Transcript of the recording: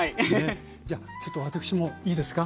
じゃあちょっと私もいいですか？